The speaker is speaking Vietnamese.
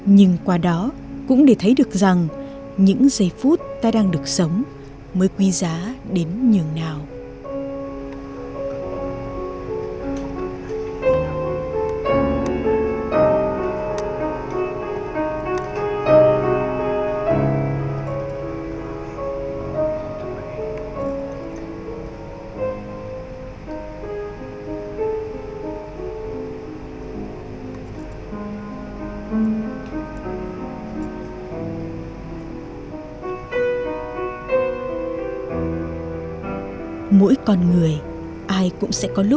nhưng qua đó cũng để thấy được rằng những giây phút ta đang được sống mới quý giá đến nhường nào